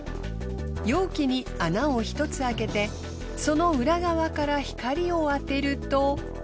容器に穴を１つ開けてその裏側から光を当てると。